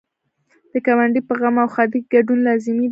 د ګاونډي په غم او ښادۍ کې ګډون لازمي دی.